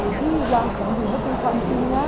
เดี๋ยวเขามันจะมันเปล่า